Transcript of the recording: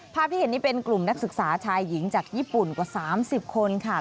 ภาพที่เห็นนี่เป็นกลุ่มนักศึกษาชายหญิงจากญี่ปุ่นกว่า๓๐คนค่ะ